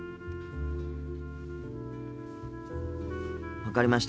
分かりました。